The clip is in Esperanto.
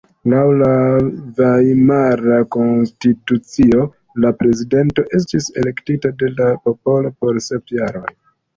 Laŭ la Vajmara Konstitucio la prezidento estis elektita de la popolo por sep jaroj.